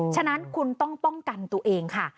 ฉะนั้นคุณต้องป้องกันตัวเองค่ะ